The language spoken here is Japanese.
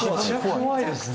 怖いですね。